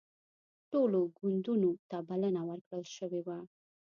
ټولو ګوندونو ته بلنه ورکړل شوې وه